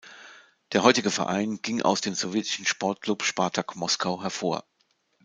Der heutige Verein ging aus dem sowjetischen Sportclub Spartak Moskau hervor.